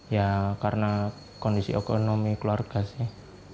ya karena kondisi ekonomi keluarga sih